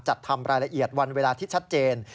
จัดทำรายละเอียดวันเวลาที่ชัดเจน